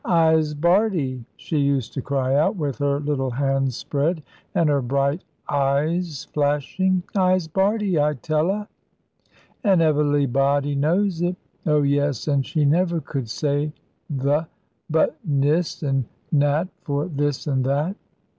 'I'se Bardie,' she used to cry out, with her little hands spread, and her bright eyes flashing; 'I'se Bardie, I tell 'a; and evelybody knows it.' Oh yes, and she never could say 'th' but 'niss' and 'nat,' for this and that.